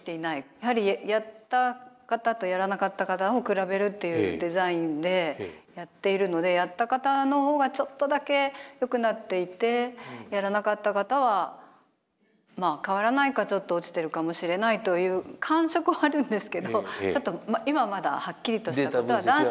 やはりやった方とやらなかった方を比べるっていうデザインでやっているのでやった方の方がちょっとだけ良くなっていてやらなかった方は変わらないかちょっと落ちてるかもしれないという感触はあるんですけどちょっと今はまだはっきりとしたことはダンスについては言えません。